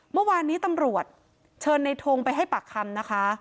เมื่อวานนี้ตำรวจเชิญในทงไปให้ปากคำนะคะ